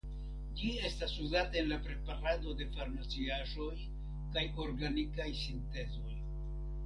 Ĝi estas uzata en la preparado de farmaciaĵoj kaj organikaj sintezoj.